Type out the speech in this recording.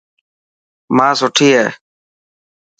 ماءِ سٺي هي.